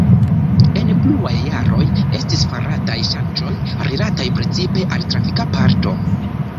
En pluaj jaroj estis farataj ŝanĝoj rilataj precipe al trafika parto.